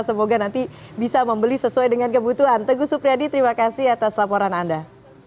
semoga nanti bisa membeli sesuai dengan kebutuhan teguh supriyadi terima kasih atas laporan anda